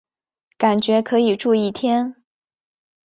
感觉可以住一天